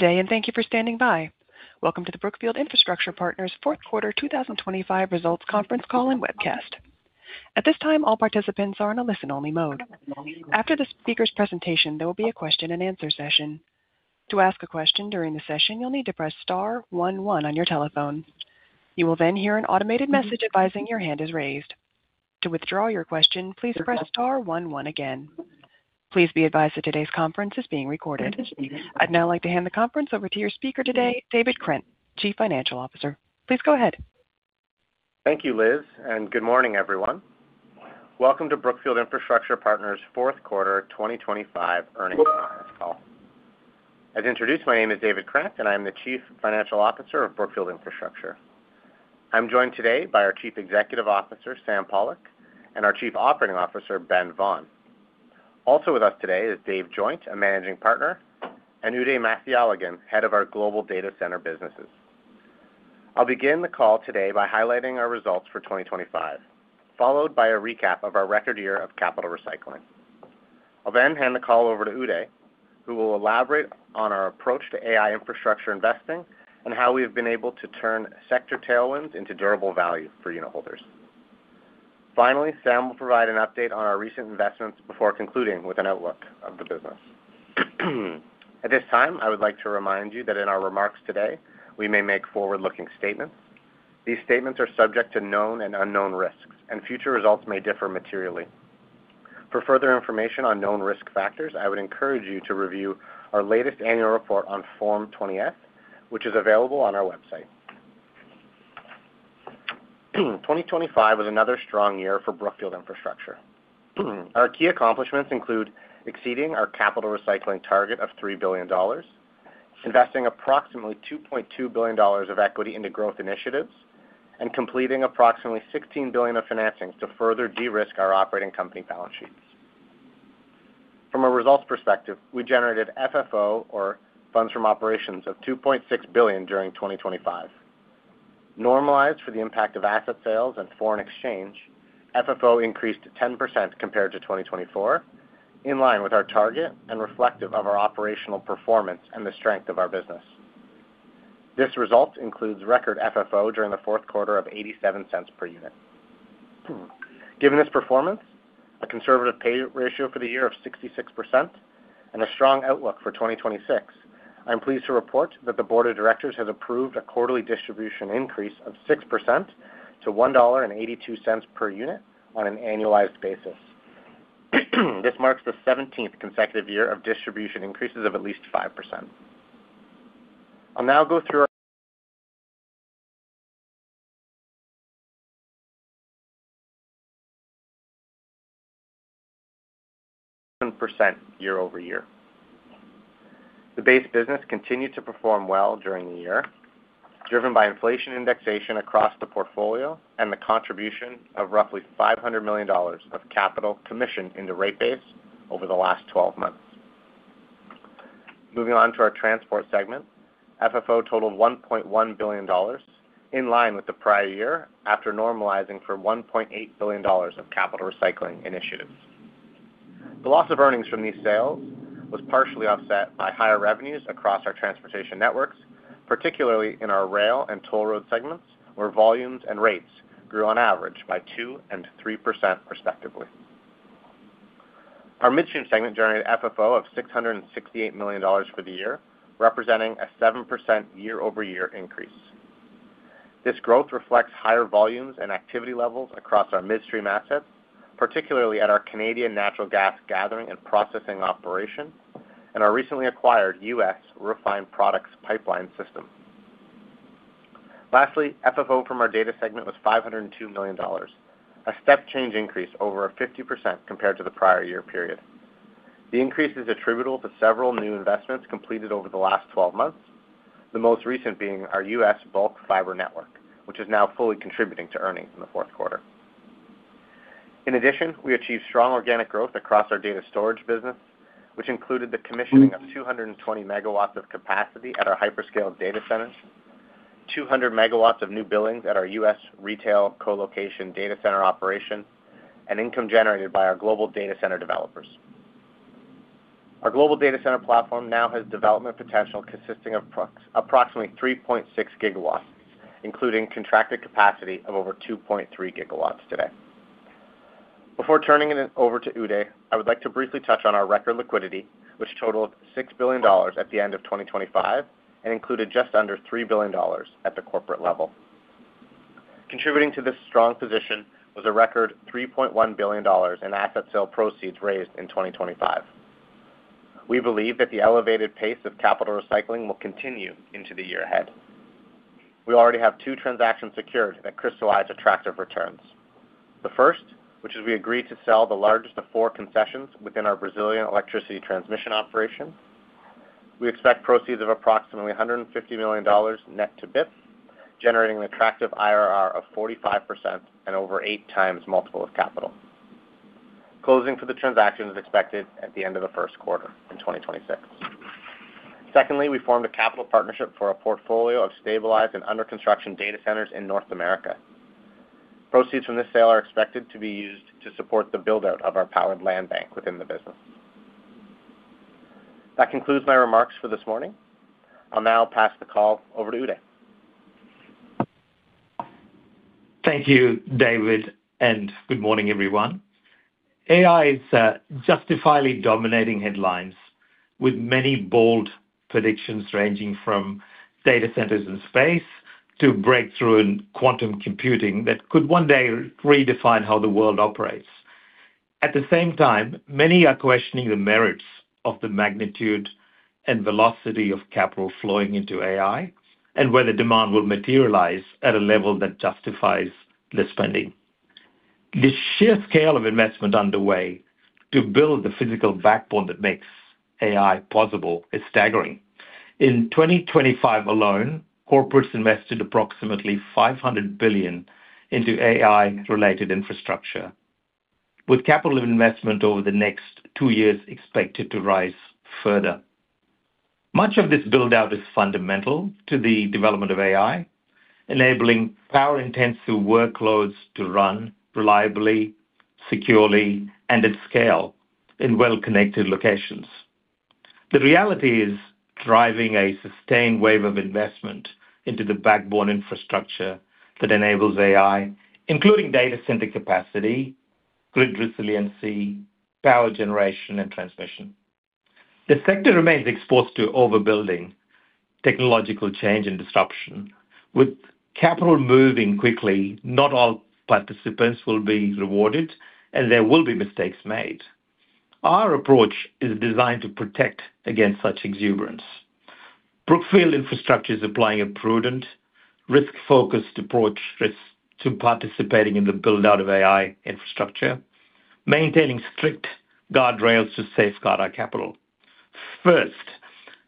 Good day, and thank you for standing by. Welcome to the Brookfield Infrastructure Partners Fourth Quarter 2025 Results Conference Call and Webcast. At this time, all participants are in a listen-only mode. After the speaker's presentation, there will be a question-and-answer session. To ask a question during the session, you'll need to press star one one on your telephone. You will then hear an automated message advising your hand is raised. To withdraw your question, please press star one one again. Please be advised that today's conference is being recorded. I'd now like to hand the conference over to your speaker today, David Krant, Chief Financial Officer. Please go ahead. Thank you, Liz, and good morning, everyone. Welcome to Brookfield Infrastructure Partners' fourth quarter 2025 earnings call. As introduced, my name is David Krant, and I'm the Chief Financial Officer of Brookfield Infrastructure. I'm joined today by our Chief Executive Officer, Sam Pollock, and our Chief Operating Officer, Ben Vaughan. Also with us today is Dave Joynt, a Managing Partner, and Udhay Mathialagan, Head of our Global Data Center Businesses. I'll begin the call today by highlighting our results for 2025, followed by a recap of our record year of capital recycling. I'll then hand the call over to Udhay, who will elaborate on our approach to AI infrastructure investing and how we have been able to turn sector tailwinds into durable value for unitholders. Finally, Sam will provide an update on our recent investments before concluding with an outlook of the business. At this time, I would like to remind you that in our remarks today, we may make forward-looking statements. These statements are subject to known and unknown risks, and future results may differ materially. For further information on known risk factors, I would encourage you to review our latest annual report on Form 20-F, which is available on our website. 2025 was another strong year for Brookfield Infrastructure. Our key accomplishments include exceeding our capital recycling target of $3 billion, investing approximately $2.2 billion of equity into growth initiatives, and completing approximately $16 billion of financings to further de-risk our operating company balance sheets. From a results perspective, we generated FFO, or funds from operations, of $2.6 billion during 2025. Normalized for the impact of asset sales and foreign exchange, FFO increased 10% compared to 2024, in line with our target and reflective of our operational performance and the strength of our business. This result includes record FFO during the fourth quarter of $0.87 per unit. Given this performance, a conservative pay ratio for the year of 66% and a strong outlook for 2026, I'm pleased to report that the board of directors has approved a quarterly distribution increase of 6% to $1.82 per unit on an annualized basis. This marks the 17th consecutive year of distribution increases of at least 5%. I'll now go through our- percent year-over-year. The base business continued to perform well during the year, driven by inflation indexation across the portfolio and the contribution of roughly $500 million of capital commissioned into rate base over the last 12 months. Moving on to our transport segment, FFO totaled $1.1 billion, in line with the prior year, after normalizing for $1.8 billion of capital recycling initiatives. The loss of earnings from these sales was partially offset by higher revenues across our transportation networks, particularly in our rail and toll road segments, where volumes and rates grew on average by 2% and 3%, respectively. Our midstream segment generated FFO of $668 million for the year, representing a 7% year-over-year increase. This growth reflects higher volumes and activity levels across our midstream assets, particularly at our Canadian natural gas gathering and processing operation and our recently acquired U.S. refined products pipeline system. Lastly, FFO from our data segment was $502 million, a step change increase over 50% compared to the prior year period. The increase is attributable to several new investments completed over the last 12 months, the most recent being our U.S. bulk fiber network, which is now fully contributing to earnings in the fourth quarter. In addition, we achieved strong organic growth across our data storage business, which included the commissioning of 220 MW of capacity at our hyperscale data centers, 200 MW of new billings at our U.S. retail colocation data center operation, and income generated by our global data center developers. Our global data center platform now has development potential consisting of approximately 3.6 gigawatts, including contracted capacity of over 2.3 GW today. Before turning it over to Udhay, I would like to briefly touch on our record liquidity, which totaled $6 billion at the end of 2025 and included just under $3 billion at the corporate level. Contributing to this strong position was a record $3.1 billion in asset sale proceeds raised in 2025. We believe that the elevated pace of capital recycling will continue into the year ahead. We already have two transactions secured that crystallize attractive returns. The first, which is we agreed to sell the largest of four concessions within our Brazilian electricity transmission operation. We expect proceeds of approximately $150 million net to BIP, generating an attractive IRR of 45% and over 8x multiple of capital. Closing for the transaction is expected at the end of the first quarter in 2026. Secondly, we formed a capital partnership for a portfolio of stabilized and under-construction data centers in North America.... Proceeds from this sale are expected to be used to support the build-out of our powered land bank within the business. That concludes my remarks for this morning. I'll now pass the call over to Udhay. Thank you, David, and good morning, everyone. AI is justifiably dominating headlines, with many bold predictions ranging from data centers in space to breakthrough in quantum computing that could one day redefine how the world operates. At the same time, many are questioning the merits of the magnitude and velocity of capital flowing into AI, and whether demand will materialize at a level that justifies the spending. The sheer scale of investment underway to build the physical backbone that makes AI possible is staggering. In 2025 alone, corporates invested approximately $500 billion into AI-related infrastructure, with capital investment over the next two years expected to rise further. Much of this build-out is fundamental to the development of AI, enabling power-intensive workloads to run reliably, securely, and at scale in well-connected locations. The reality is driving a sustained wave of investment into the backbone infrastructure that enables AI, including data center capacity, grid resiliency, power generation, and transmission. The sector remains exposed to overbuilding, technological change, and disruption. With capital moving quickly, not all participants will be rewarded, and there will be mistakes made. Our approach is designed to protect against such exuberance. Brookfield Infrastructure is applying a prudent, risk-focused approach to participating in the build-out of AI infrastructure, maintaining strict guardrails to safeguard our capital. First,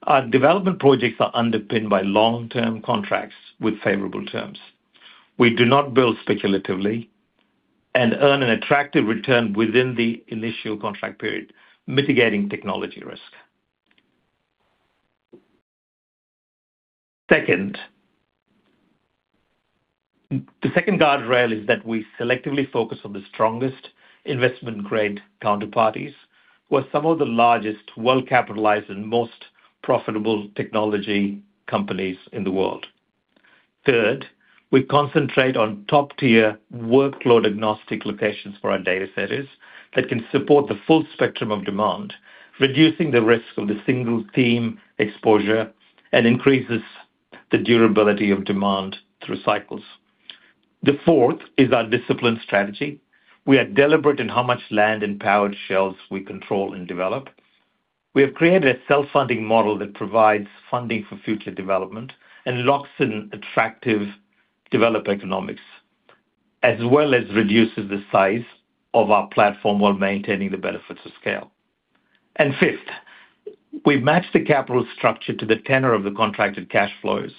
our development projects are underpinned by long-term contracts with favorable terms. We do not build speculatively and earn an attractive return within the initial contract period, mitigating technology risk. Second, the second guardrail is that we selectively focus on the strongest investment-grade counterparties, with some of the largest, well-capitalized, and most profitable technology companies in the world. Third, we concentrate on top-tier workload-agnostic locations for our data centers that can support the full spectrum of demand, reducing the risk of the single-theme exposure and increases the durability of demand through cycles. The fourth is our discipline strategy. We are deliberate in how much land and powered shells we control and develop. We have created a self-funding model that provides funding for future development and locks in attractive developer economics, as well as reduces the size of our platform while maintaining the benefits of scale. And fifth, we've matched the capital structure to the tenor of the contracted cash flows,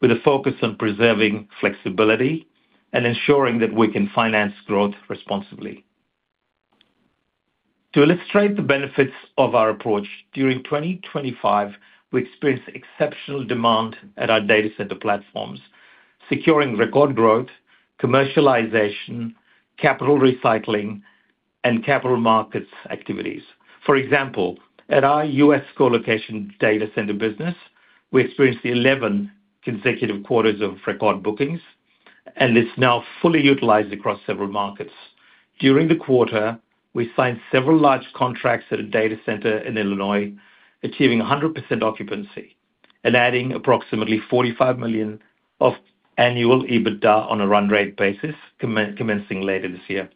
with a focus on preserving flexibility and ensuring that we can finance growth responsibly. To illustrate the benefits of our approach, during 2025, we experienced exceptional demand at our data center platforms, securing record growth, commercialization, capital recycling, and capital markets activities. For example, at our U.S. colocation data center business, we experienced 11 consecutive quarters of record bookings, and it's now fully utilized across several markets. During the quarter, we signed several large contracts at a data center in Illinois, achieving 100% occupancy and adding approximately $45 million of annual EBITDA on a run rate basis, commencing later this year.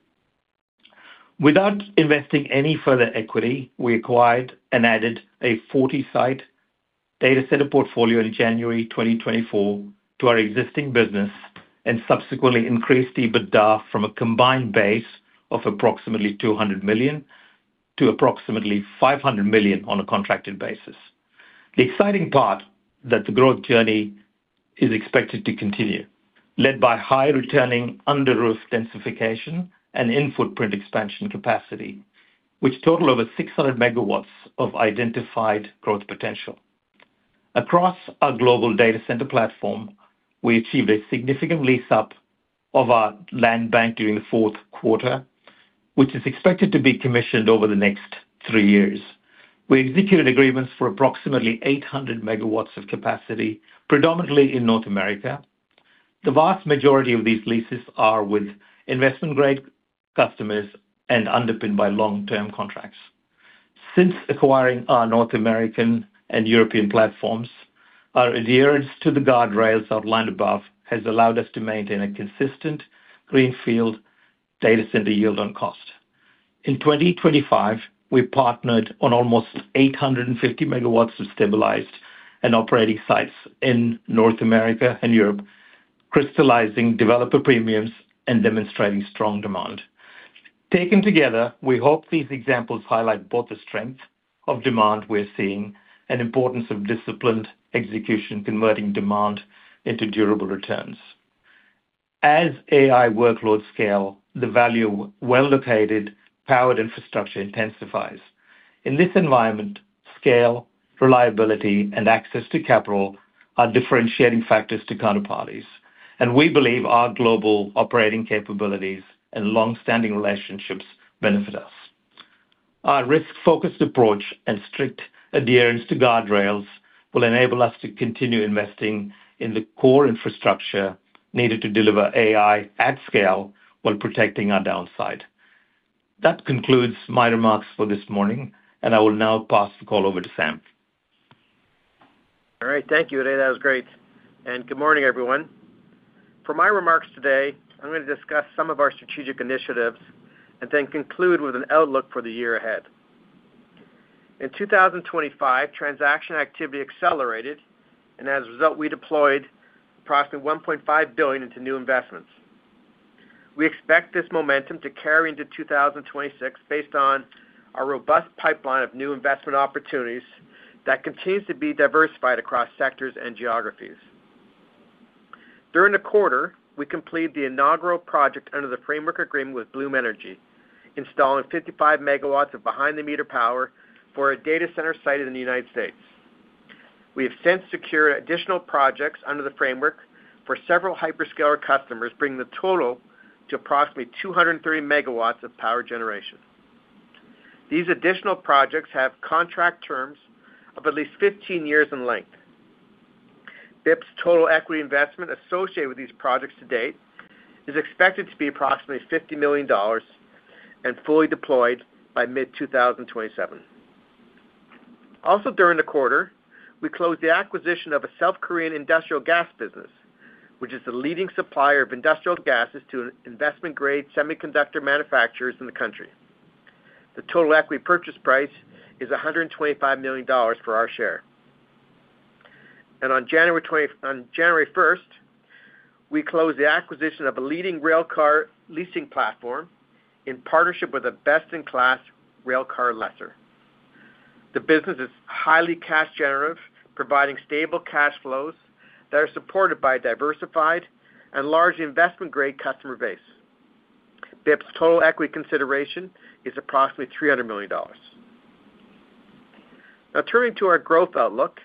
Without investing any further equity, we acquired and added a 40-site data center portfolio in January 2024 to our existing business, and subsequently increased EBITDA from a combined base of approximately $200 million to approximately $500 million on a contracted basis. The exciting part, that the growth journey is expected to continue, led by high-returning under roof densification and in-footprint expansion capacity, which total over 600 MW of identified growth potential. Across our global data center platform, we achieved a significant lease up of our land bank during the fourth quarter, which is expected to be commissioned over the next three years. We executed agreements for approximately 800 MW of capacity, predominantly in North America. The vast majority of these leases are with investment-grade customers and underpinned by long-term contracts. Since acquiring our North American and European platforms, our adherence to the guardrails outlined above has allowed us to maintain a consistent greenfield data center yield on cost. In 2025, we partnered on almost 850 MW of stabilized and operating sites in North America and Europe, crystallizing developer premiums and demonstrating strong demand. Taken together, we hope these examples highlight both the strength of demand we're seeing and importance of disciplined execution, converting demand into durable returns. As AI workloads scale, the value of well-located powered infrastructure intensifies. In this environment, scale, reliability, and access to capital are differentiating factors to counterparties, and we believe our global operating capabilities and long-standing relationships benefit us. Our risk-focused approach and strict adherence to guardrails will enable us to continue investing in the core infrastructure needed to deliver AI at scale while protecting our downside. That concludes my remarks for this morning, and I will now pass the call over to Sam. All right. Thank you, Udhay. That was great. Good morning, everyone. For my remarks today, I'm going to discuss some of our strategic initiatives and then conclude with an outlook for the year ahead. In 2025, transaction activity accelerated, and as a result, we deployed approximately $1.5 billion into new investments. We expect this momentum to carry into 2026, based on our robust pipeline of new investment opportunities that continues to be diversified across sectors and geographies. During the quarter, we completed the inaugural project under the framework agreement with Bloom Energy, installing 55 MW of behind-the-meter power for a data center site in the United States. We have since secured additional projects under the framework for several hyperscaler customers, bringing the total to approximately 230 MW of power generation. These additional projects have contract terms of at least 15 years in length. BIP's total equity investment associated with these projects to date is expected to be approximately $50 million and fully deployed by mid-2027. Also, during the quarter, we closed the acquisition of a South Korean industrial gas business, which is the leading supplier of industrial gases to investment-grade semiconductor manufacturers in the country. The total equity purchase price is $125 million for our share. And on January 1st, we closed the acquisition of a leading railcar leasing platform in partnership with a best-in-class railcar lessor. The business is highly cash generative, providing stable cash flows that are supported by a diversified and large investment-grade customer base. BIP's total equity consideration is approximately $300 million. Now, turning to our growth outlook,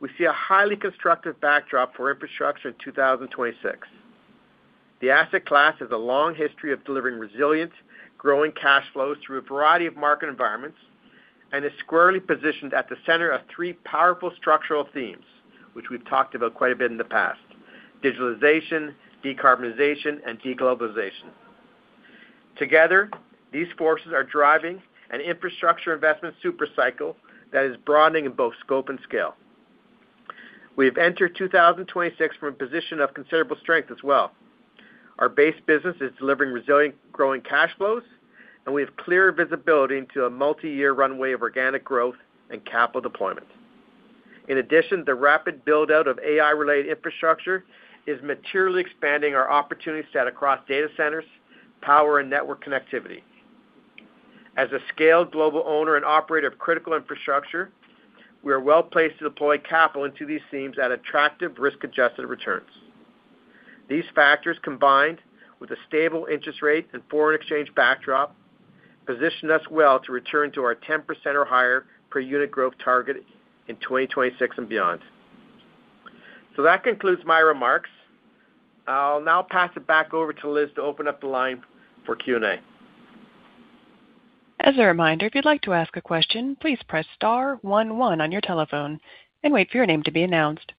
we see a highly constructive backdrop for infrastructure in 2026. The asset class has a long history of delivering resilient, growing cash flows through a variety of market environments and is squarely positioned at the center of three powerful structural themes, which we've talked about quite a bit in the past: digitalization, decarbonization, and deglobalization. Together, these forces are driving an infrastructure investment super cycle that is broadening in both scope and scale. We have entered 2026 from a position of considerable strength as well. Our base business is delivering resilient, growing cash flows, and we have clear visibility into a multi-year runway of organic growth and capital deployment. In addition, the rapid build-out of AI-related infrastructure is materially expanding our opportunity set across data centers, power, and network connectivity. As a scaled global owner and operator of critical infrastructure, we are well-placed to deploy capital into these themes at attractive risk-adjusted returns. These factors, combined with a stable interest rate and foreign exchange backdrop, position us well to return to our 10% or higher per unit growth target in 2026 and beyond. That concludes my remarks. I'll now pass it back over to Liz to open up the line for Q&A. As a reminder, if you'd like to ask a question, please press star one one on your telephone and wait for your name to be announced.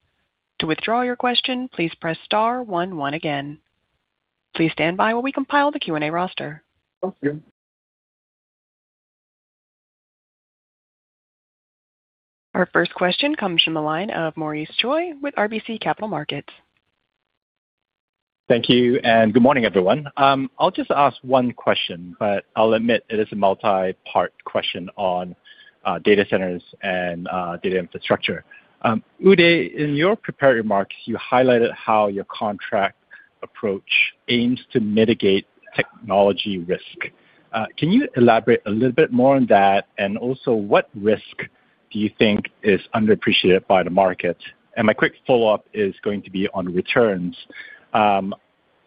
To withdraw your question, please press star one one again. Please stand by while we compile the Q&A roster. Thank you. Our first question comes from the line of Maurice Choy with RBC Capital Markets. Thank you, and good morning, everyone. I'll just ask one question, but I'll admit it is a multi-part question on, data centers and, data infrastructure. Udhay, in your prepared remarks, you highlighted how your contract approach aims to mitigate technology risk. Can you elaborate a little bit more on that? And also, what risk do you think is underappreciated by the market? And my quick follow-up is going to be on returns.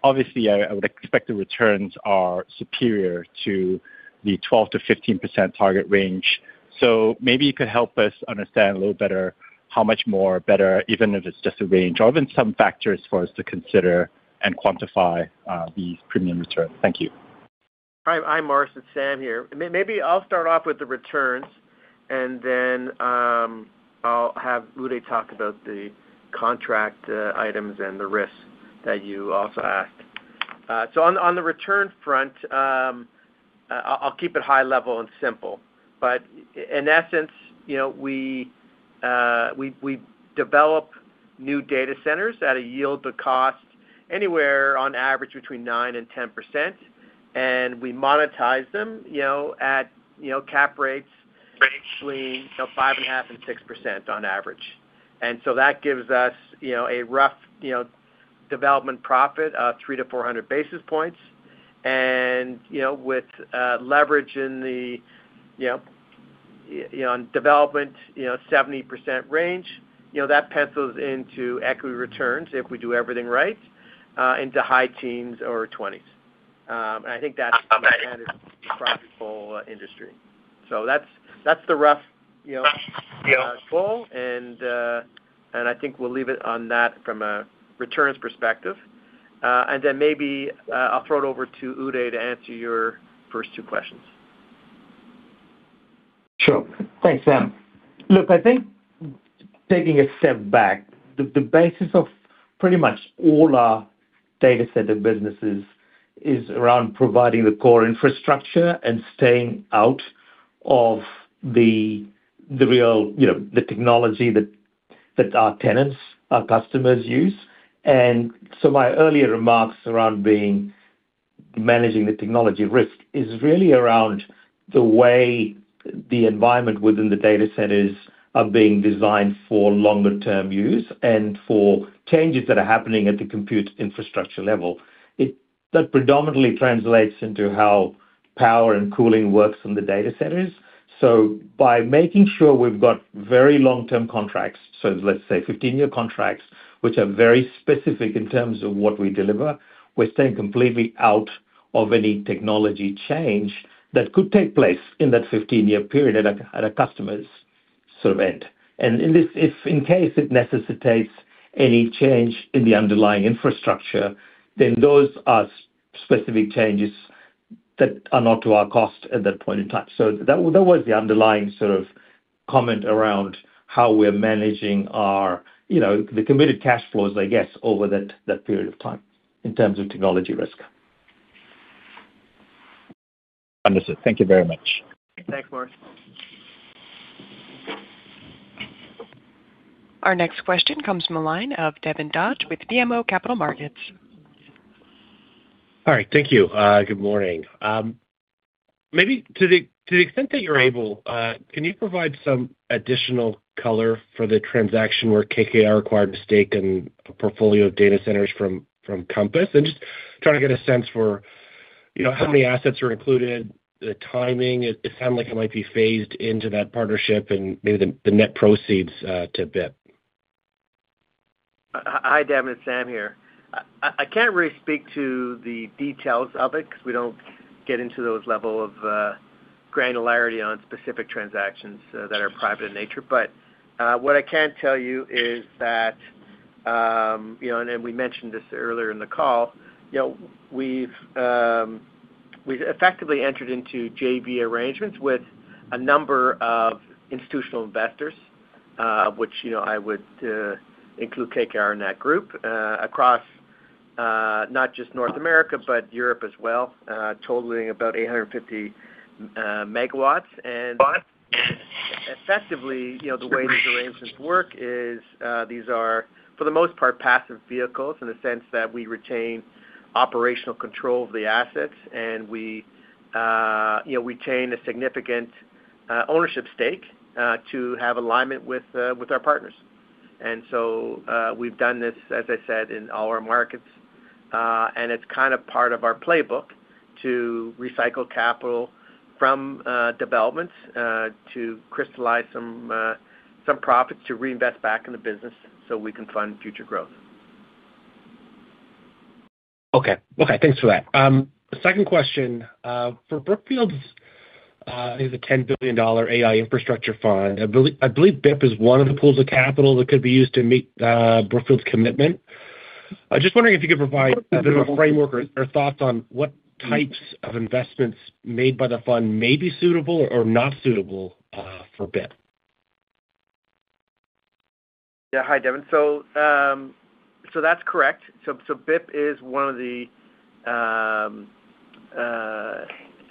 Obviously, I, I would expect the returns are superior to the 12%-15% target range. So maybe you could help us understand a little better how much more better, even if it's just a range, or even some factors for us to consider and quantify, the premium return. Thank you. Hi, Maurice, it's Sam here. Maybe I'll start off with the returns, and then, I'll have Udhay talk about the contract items and the risks that you also asked. So on the return front, I'll keep it high level and simple, but in essence, you know, we, we develop new data centers at a yield to cost anywhere on average between 9% and 10%, and we monetize them, you know, at, you know, cap rates basically, you know, 5.5% and 6% on average. And so that gives us, you know, a rough, you know, development profit of 300 basis points-400 basis points. You know, with leverage in the, you know, you know, on development, you know, 70% range, you know, that pencils into equity returns, if we do everything right, into high teens or twenties. And I think that's across the whole industry. So that's, that's the rough, you know, call. And, and I think we'll leave it on that from a returns perspective. And then maybe, I'll throw it over to Udhay to answer your first two questions. Sure. Thanks, Sam. Look, I think taking a step back, the basis of pretty much all our data center businesses is around providing the core infrastructure and staying out of the real, you know, the technology that our tenants, our customers use. And so my earlier remarks around being, managing the technology risk is really around the way the environment within the data centers are being designed for longer term use and for changes that are happening at the compute infrastructure level. That predominantly translates into how power and cooling works in the data centers. So by making sure we've got very long-term contracts, so let's say 15-year contracts, which are very specific in terms of what we deliver, we're staying completely out of any technology change that could take place in that 15-year period at a customer's sort of end. And in this, if in case it necessitates any change in the underlying infrastructure, then those are specific changes that are not to our cost at that point in time. So that was, that was the underlying sort of comment around how we're managing our, you know, the committed cash flows, I guess, over that, that period of time in terms of technology risk. Understood. Thank you very much. Thanks, Maurice. Our next question comes from the line of Devin Dodge with BMO Capital Markets. All right. Thank you. Good morning. Maybe to the extent that you're able, can you provide some additional color for the transaction where KKR acquired a stake in a portfolio of data centers from Compass? And just trying to get a sense for, you know, how many assets are included, the timing. It sounded like it might be phased into that partnership and maybe the net proceeds to BIP. Hi, Devin. It's Sam here. I can't really speak to the details of it because we don't get into those level of granularity on specific transactions that are private in nature. But what I can tell you is that, you know, and we mentioned this earlier in the call, you know, we've effectively entered into JV arrangements with a number of institutional investors, which, you know, I would include KKR in that group, across not just North America, but Europe as well, totaling about 850 MW. And effectively, you know, the way these arrangements work is, these are, for the most part, passive vehicles in the sense that we retain operational control of the assets, and we, you know, retain a significant, ownership stake, to have alignment with, with our partners. And so, we've done this, as I said, in all our markets, and it's kind of part of our playbook to recycle capital from, developments, to crystallize some, some profits to reinvest back in the business so we can fund future growth. Okay. Okay, thanks for that. Second question. For Brookfield's is a $10 billion AI infrastructure fund. I believe, I believe BIP is one of the pools of capital that could be used to meet Brookfield's commitment. I was just wondering if you could provide a bit of a framework or, or thoughts on what types of investments made by the fund may be suitable or not suitable for BIP. Yeah. Hi, Devin. So, that's correct. So, BIP is one of the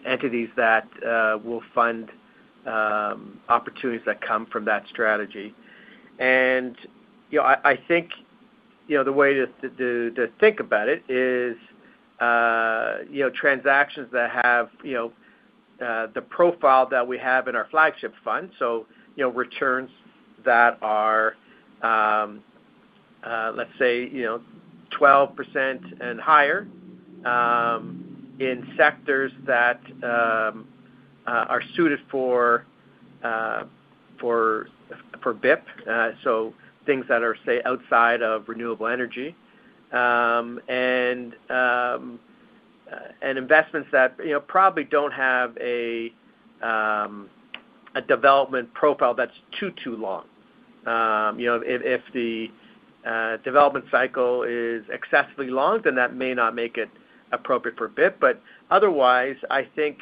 entities that will fund opportunities that come from that strategy. And, you know, I think, you know, the way to think about it is, you know, transactions that have the profile that we have in our flagship fund. So, you know, returns that are, let's say, you know, 12% and higher, in sectors that are suited for BIP. So things that are, say, outside of renewable energy, and investments that, you know, probably don't have a development profile that's too long. You know, if the development cycle is excessively long, then that may not make it appropriate for BIP. But otherwise, I think,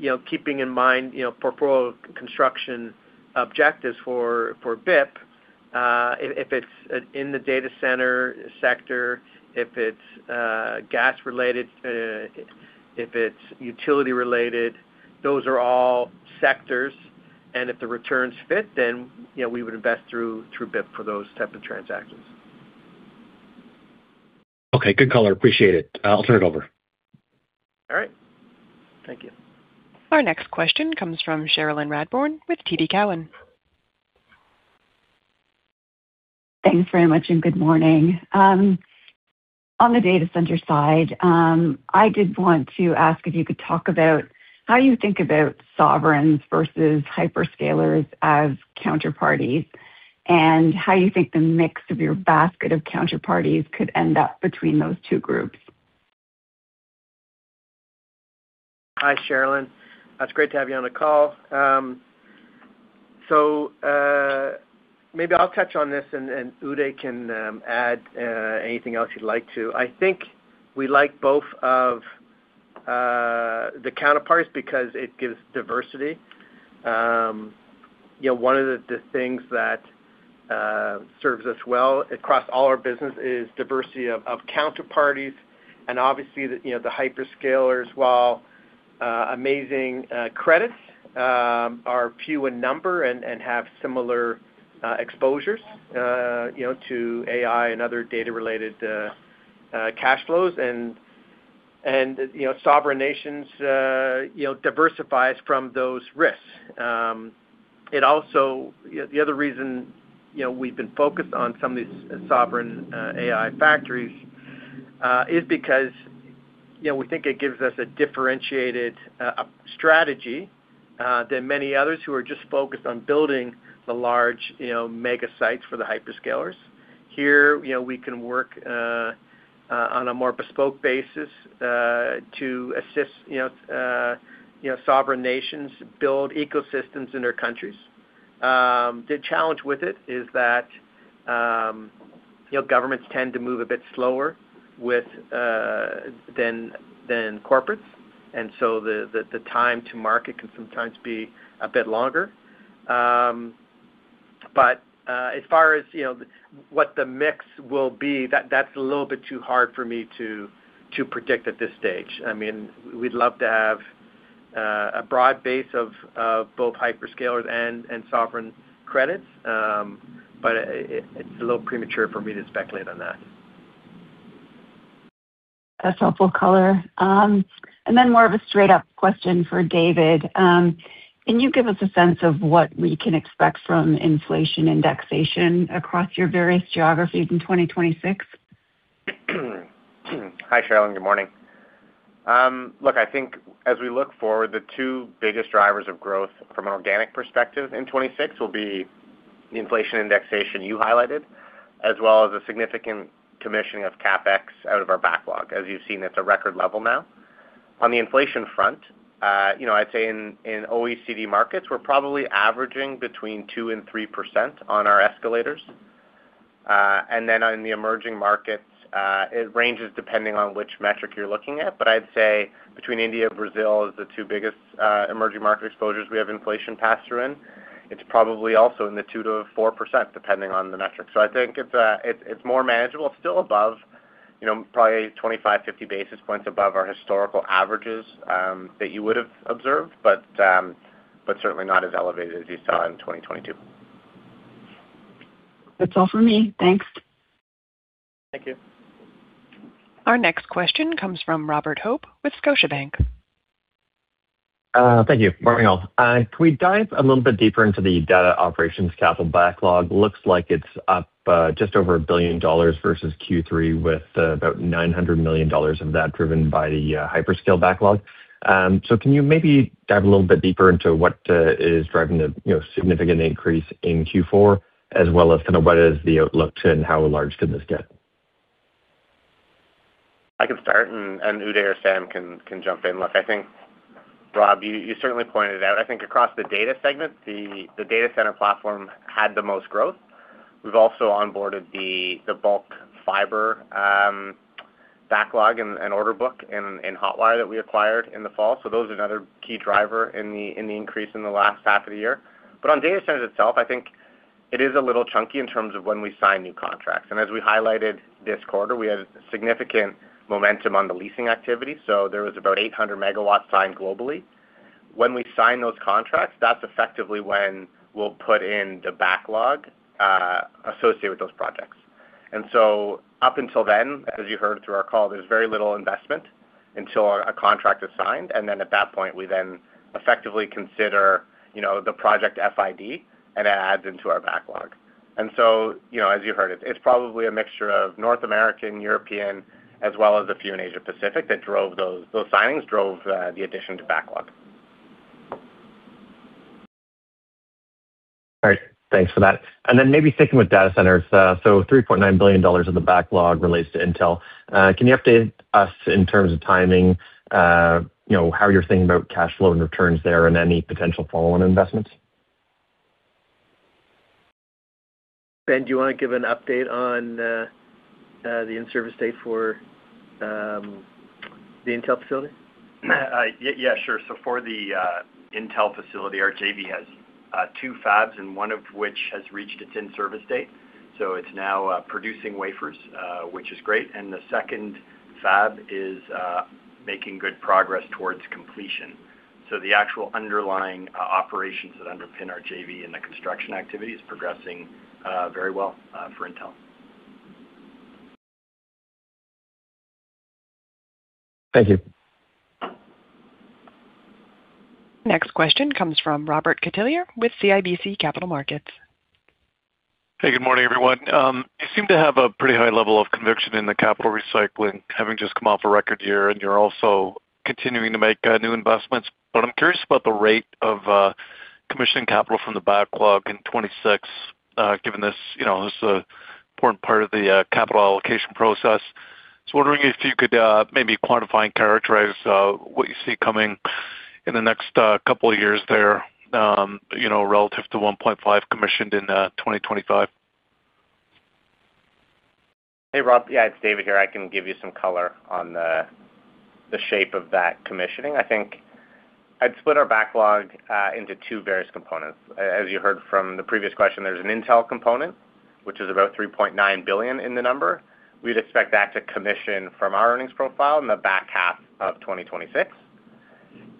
you know, keeping in mind, you know, portfolio construction objectives for BIP, if it's in the data center sector, if it's gas related, if it's utility related, those are all sectors, and if the returns fit, then, you know, we would invest through BIP for those type of transactions. Okay, good color. Appreciate it. I'll turn it over. All right. Thank you. Our next question comes from Cherilyn Radbourne with TD Cowen. Thanks very much, and good morning. On the data center side, I did want to ask if you could talk about how you think about sovereigns versus hyperscalers as counterparties... and how you think the mix of your basket of counterparties could end up between those two groups? Hi, Cherilyn. It's great to have you on the call. So, maybe I'll touch on this, and Udhay can add anything else you'd like to. I think we like both of the counterparts because it gives diversity. You know, one of the things that serves us well across all our business is diversity of counterparties, and obviously the, you know, the hyperscalers, while amazing credits, are few in number and have similar exposures, you know, to AI and other data-related cash flows. And, you know, sovereign nations, you know, diversifies from those risks. It also. The other reason, you know, we've been focused on some of these sovereign AI factories is because, you know, we think it gives us a differentiated strategy than many others who are just focused on building the large, you know, mega sites for the hyperscalers. Here, you know, we can work on a more bespoke basis to assist, you know, sovereign nations build ecosystems in their countries. The challenge with it is that, you know, governments tend to move a bit slower than corporates, and so the time to market can sometimes be a bit longer. But as far as, you know, what the mix will be, that's a little bit too hard for me to predict at this stage. I mean, we'd love to have a broad base of both hyperscalers and sovereign credits, but it's a little premature for me to speculate on that. That's helpful color. Then more of a straight-up question for David. Can you give us a sense of what we can expect from inflation indexation across your various geographies in 2026? Hi, Cherilyn. Good morning. Look, I think as we look forward, the two biggest drivers of growth from an organic perspective in 2026 will be the inflation indexation you highlighted, as well as a significant commissioning of CapEx out of our backlog. As you've seen, it's a record level now. On the inflation front, you know, I'd say in OECD markets, we're probably averaging between 2% and 3% on our escalators. And then on the emerging markets, it ranges depending on which metric you're looking at. But I'd say between India, Brazil, is the two biggest emerging market exposures we have inflation passed through in. It's probably also in the 2%-4%, depending on the metric. So I think it's more manageable, still above, you know, probably 25 basis points, 50 basis points above our historical averages, that you would have observed, but certainly not as elevated as you saw in 2022. That's all for me. Thanks. Thank you. Our next question comes from Robert Hope with Scotiabank. Thank you. Morning, all. Can we dive a little bit deeper into the data operations capital backlog? Looks like it's up just over $1 billion versus Q3, with about $900 million of that driven by the hyperscale backlog. So can you maybe dive a little bit deeper into what is driving the, you know, significant increase in Q4, as well as kind of what is the outlook to, and how large can this get? I can start, and Udhay or Sam can jump in. Look, I think, Rob, you certainly pointed out, I think across the data segment, the data center platform had the most growth. We've also onboarded the bulk fiber backlog and order book in Hotwire that we acquired in the fall. So those are another key driver in the increase in the last half of the year. On data centers itself, I think it is a little chunky in terms of when we sign new contracts. As we highlighted this quarter, we had significant momentum on the leasing activity, so there was about 800 MW signed globally. When we sign those contracts, that's effectively when we'll put in the backlog associated with those projects. Up until then, as you heard through our call, there's very little investment until a contract is signed, and then at that point, we then effectively consider, you know, the project FID, and it adds into our backlog. You know, as you heard, it's probably a mixture of North American, European, as well as a few in Asia Pacific, that drove those signings drove the addition to backlog. All right. Thanks for that. And then maybe sticking with data centers, so $3.9 billion of the backlog relates to Intel. Can you update us in terms of timing, you know, how you're thinking about cash flow and returns there and any potential follow-on investments? Krant, do you want to give an update on the in-service date for the Intel facility? Yeah, sure. So for the Intel facility, our JV has two fabs, and one of which has reached its in-service date, so it's now producing wafers, which is great. The second fab is making good progress towards completion. So the actual underlying operations that underpin our JV and the construction activity is progressing very well for Intel. Thank you. Next question comes from Robert Catellier with CIBC Capital Markets. Hey, good morning, everyone. You seem to have a pretty high level of conviction in the capital recycling, having just come off a record year, and you're also continuing to make new investments. But I'm curious about the rate of commissioning capital from the backlog in 2026, given this, you know, this is an important part of the, capital allocation process. So wondering if you could, maybe quantify and characterize, what you see coming in the next, couple of years there, you know, relative to 1.5 commissioned in, 2025. Hey, Rob. Yeah, it's David here. I can give you some color on the shape of that commissioning. I think I'd split our backlog into two various components. As you heard from the previous question, there's an Intel component, which is about $3.9 billion in the number. We'd expect that to commission from our earnings profile in the back half of 2026.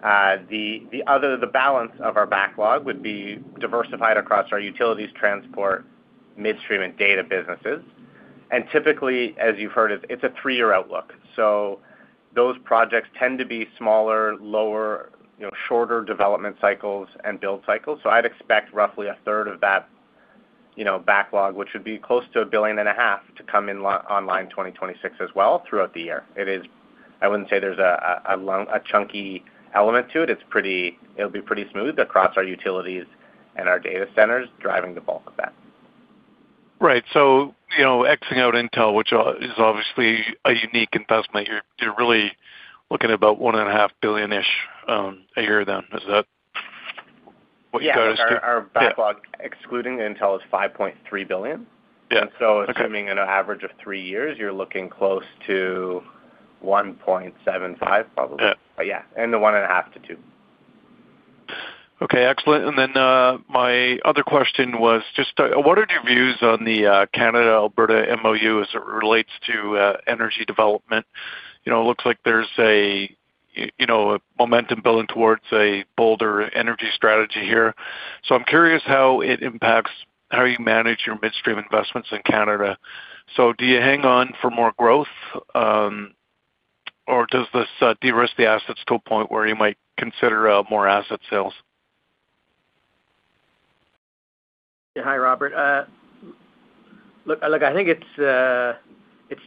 The other, the balance of our backlog would be diversified across our utilities, transport, midstream, and data businesses. And typically, as you've heard, it's a three-year outlook. So those projects tend to be smaller, lower, you know, shorter development cycles and build cycles. So I'd expect roughly a third of that, you know, backlog, which would be close to $1.5 billion, to come online 2026 as well, throughout the year. I wouldn't say there's a long, chunky element to it. It's pretty... It'll be pretty smooth across our utilities and our data centers driving the bulk of that. Right. So, you know, crossing out Intel, which is obviously a unique investment, you're, you're really looking at about $1.5 billion-ish a year then. Is that what you guys do? Yeah. Our backlog, excluding Intel, is $5.3 billion. Yeah. Assuming an average of three years, you're looking close to 1.75, probably. Yeah. Yeah, in the 1.5-2. Okay, excellent. And then, my other question was just, what are your views on the, Canada-Alberta MOU as it relates to, energy development? You know, it looks like there's a, you know, a momentum building towards a bolder energy strategy here. So I'm curious how it impacts how you manage your midstream investments in Canada. So do you hang on for more growth, or does this, de-risk the assets to a point where you might consider, more asset sales? Hi, Robert. Look, I think it's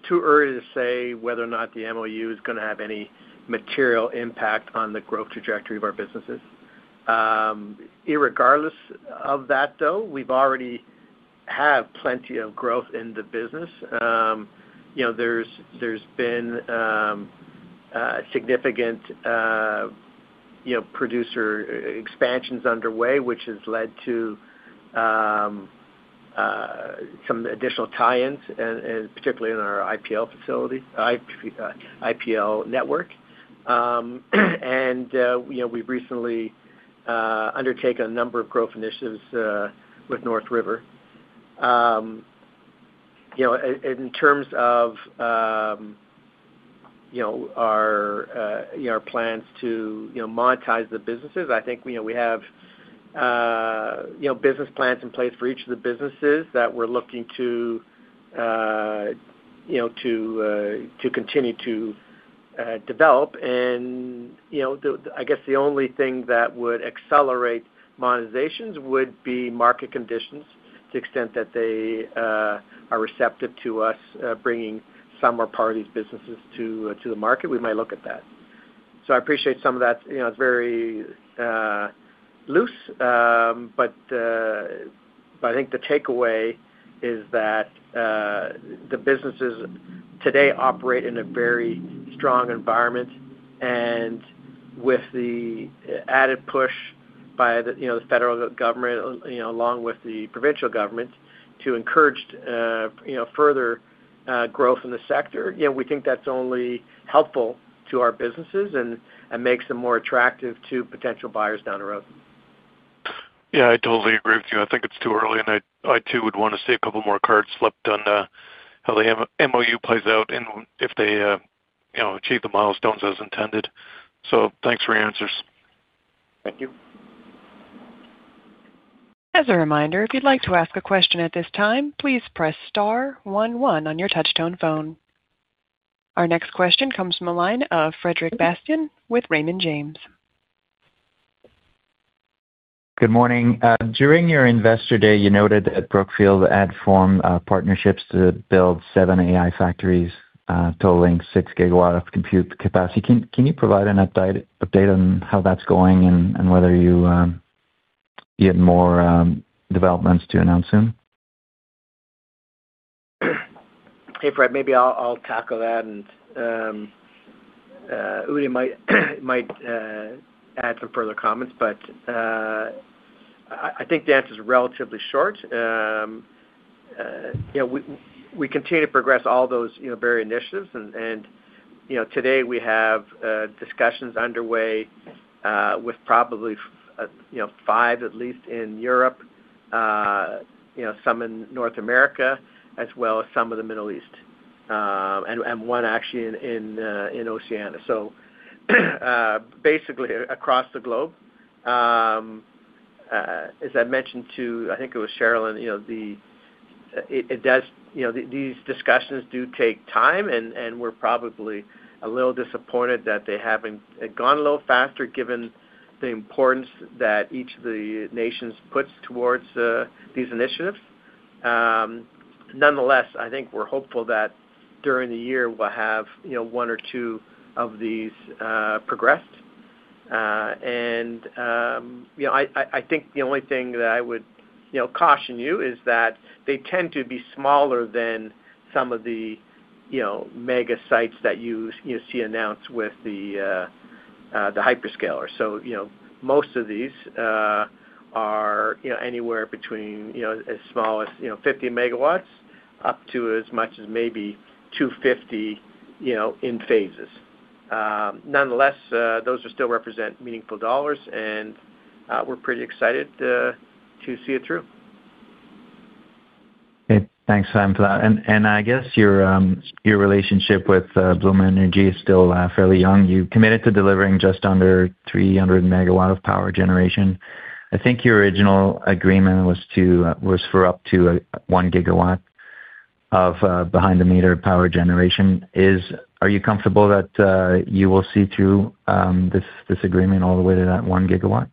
too early to say whether or not the MOU is going to have any material impact on the growth trajectory of our businesses. Regardless of that, though, we've already have plenty of growth in the business. You know, there's been significant, you know, producer expansions underway, which has led to some additional tie-ins, and particularly in our IPL facility, IPL network. And, you know, we've recently undertaken a number of growth initiatives with NorthRiver. You know, in terms of, you know, our plans to, you know, monetize the businesses, I think, you know, we have, you know, business plans in place for each of the businesses that we're looking to, you know, to continue to develop. You know, I guess the only thing that would accelerate monetizations would be market conditions. To the extent that they are receptive to us bringing some or part of these businesses to the market, we might look at that. So I appreciate some of that, you know, it's very loose. I think the takeaway is that the businesses today operate in a very strong environment, and with the added push by the, you know, the federal government, you know, along with the provincial government, to encourage, you know, further growth in the sector, you know, we think that's only helpful to our businesses and makes them more attractive to potential buyers down the road. Yeah, I totally agree with you. I think it's too early, and I too would want to see a couple more cards slept on, how the MOU plays out and if they, you know, achieve the milestones as intended. So thanks for your answers. Thank you. As a reminder, if you'd like to ask a question at this time, please press star one one on your touchtone phone. Our next question comes from the line of Frederic Bastien with Raymond James. Good morning. During your Investor Day, you noted that Brookfield had formed partnerships to build 7 AI factories totaling 6 gigawatts of compute capacity. Can you provide an update on how that's going and whether you get more developments to announce soon? Hey, Fred, maybe I'll tackle that, and Udhay might add some further comments, but I think the answer is relatively short. You know, we continue to progress all those various initiatives and today we have discussions underway with probably five, at least in Europe, some in North America, as well as some of the Middle East, and one actually in Oceania. So, basically across the globe. As I mentioned to, I think it was Cheryl, you know, it does. You know, these discussions do take time, and we're probably a little disappointed that they haven't gone a little faster, given the importance that each of the nations puts towards these initiatives. Nonetheless, I think we're hopeful that during the year, we'll have, you know, one or two of these progressed. And you know, I think the only thing that I would, you know, caution you is that they tend to be smaller than some of the, you know, mega sites that you see announced with the hyperscaler. So, you know, most of these are, you know, anywhere between, you know, as small as, you know, 50 MW, up to as much as maybe 250 MW, you know, in phases. Nonetheless, those will still represent meaningful dollars, and we're pretty excited to see it through. Okay. Thanks, Sam, for that. I guess your relationship with Bloom Energy is still fairly young. You've committed to delivering just under 300 MW of power generation. I think your original agreement was for up to 1 GW of behind-the-meter power generation. Are you comfortable that you will see through this agreement all the way to that 1 GW? Look,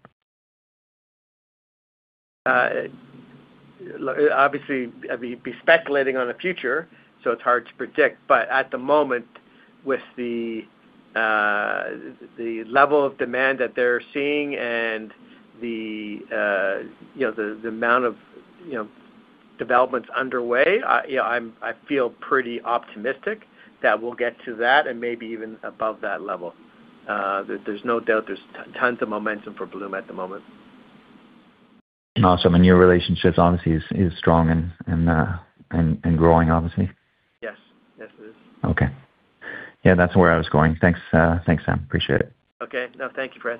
obviously, I'd be speculating on the future, so it's hard to predict. But at the moment, with the level of demand that they're seeing and the you know, the amount of you know, developments underway, you know, I feel pretty optimistic that we'll get to that and maybe even above that level. There, there's no doubt there's tons of momentum for Bloom at the moment. And also, the new relationships obviously is strong and growing, obviously. Yes. Yes, it is. Okay. Yeah, that's where I was going. Thanks, Thanks, Sam. Appreciate it. Okay. No, thank you, Fred.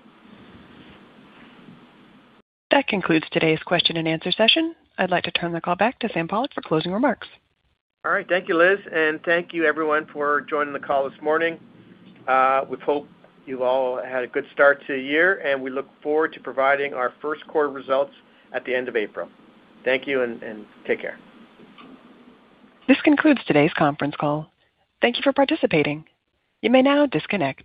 That concludes today's question and answer session. I'd like to turn the call back to Sam Pollock for closing remarks. All right. Thank you, Liz, and thank you everyone for joining the call this morning. We hope you've all had a good start to the year, and we look forward to providing our first quarter results at the end of April. Thank you, and take care. This concludes today's conference call. Thank you for participating. You may now disconnect.